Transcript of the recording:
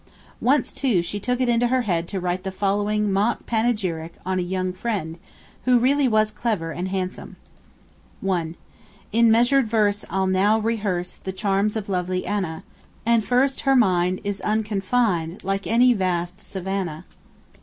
Once, too, she took it into her head to write the following mock panegyric on a young friend, who really was clever and handsome: 1. In measured verse I'll now rehearse The charms of lovely Anna: And, first, her mind is unconfined Like any vast savannah.